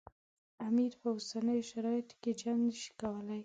امیر په اوسنیو شرایطو کې جنګ نه شي کولای.